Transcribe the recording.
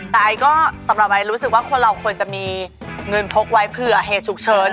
แต่ไอก็สำหรับไอซ์รู้สึกว่าคนเราควรจะมีเงินพกไว้เผื่อเหตุฉุกเฉิน